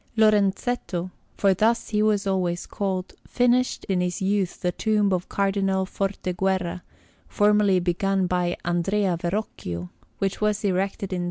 Lorenzetto for thus he was always called finished in his youth the tomb of Cardinal Forteguerra, formerly begun by Andrea Verrocchio, which was erected in S.